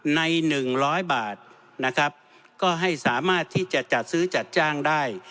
ใน๑๐๐บาทนะครับก็ให้สามารถที่จะจัดซื้อจัดจ้างได้